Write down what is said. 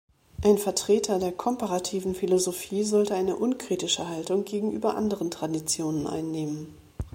Ein Vertreter der Komparativen Philosophie sollte eine unkritische Haltung gegenüber anderen Traditionen einnehmen.